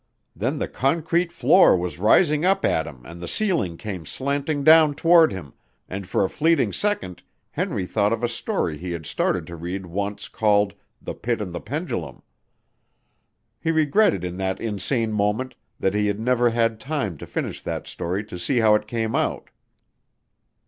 Then the concrete floor was rising up at him and the ceiling came slanting down toward him, and for a fleeting second Henry thought of a story he had started to read once called "The Pit and The Pendulum". He regretted in that insane moment that he had never had time to finish that story to see how it came out.